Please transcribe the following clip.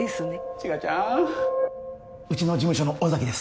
茅ヶちゃんうちの事務所の尾崎です